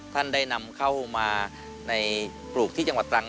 ท่านได้นำเข้ามาในปลูกที่จังหวัดตรัง